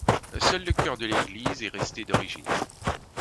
Seul le chœur de l'église est resté d'origine.